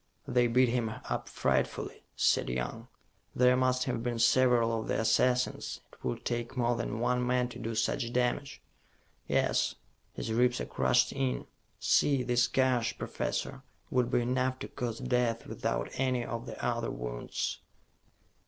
"They beat him up frightfully," said Young. "There must have been several of the assassins; it would take more than one man to do such damage." "Yes. His ribs are crushed in see, this gash, Professor, would be enough to cause death without any of the other wounds."